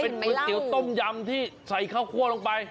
ก๋วยเตี๋ยวต้มยำที่ใส่ข้าวคั่วลงไป